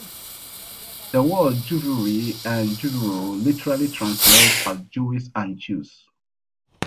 The words "Juvuri" and "Juvuro" literally translate as "Jewish" and "Jews".